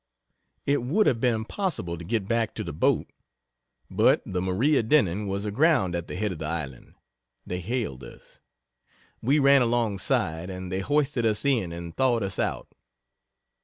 It would have been impossible to get back to the boat. But the Maria Denning was aground at the head of the island they hailed us we ran alongside and they hoisted us in and thawed us out.